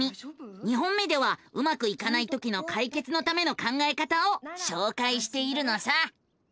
２本目ではうまくいかないときの解決のための考えた方をしょうかいしているのさ。